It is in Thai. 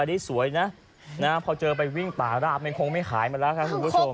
อันนี้สวยนะพอเจอไปวิ่งป่าราบมันคงไม่ขายมาแล้วครับคุณผู้ชม